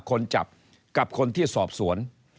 คนจับกับคนที่สอบสวน